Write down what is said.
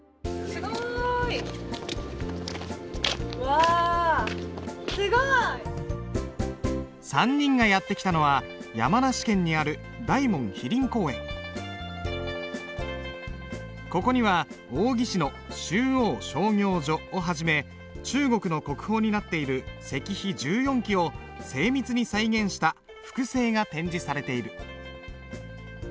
すごい！３人がやって来たのは山梨県にあるここには王羲之の「集王聖教序」をはじめ中国の国宝になっている石碑１４基を精密に再現した複製が展示されている。